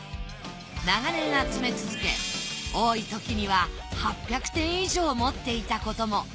長年集め続け多い時には８００点以上持っていたことも。